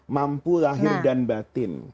mampu lahir dan batin